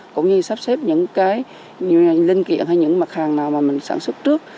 cũng như sắp xếp những cái linh kiện hay những mặt hàng nào mà mình sản xuất trước